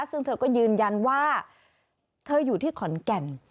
ซึ่งเธอก็ยืนยันว่าเธออยู่ที่ขอนแก่น